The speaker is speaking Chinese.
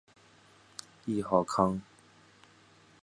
谥号康。